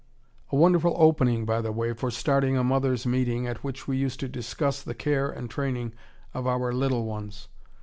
A wonderful opening, by the way, for starting a mothers' meeting at which we used to discuss the care and training of our little ones.